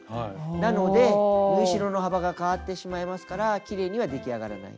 なので縫い代の幅が変わってしまいますからきれいには出来上がらない。